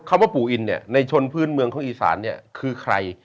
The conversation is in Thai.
ว่าปู่อินเนี่ยในชนพื้นเมืองของอีสานเนี่ยคือใคร